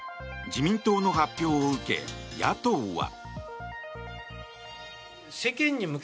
自民党の発表を受け野党は。